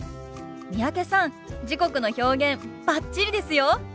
三宅さん時刻の表現バッチリですよ。